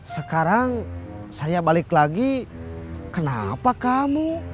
sekarang saya balik lagi kenapa kamu